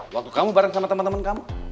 waktu kamu bareng sama teman teman kamu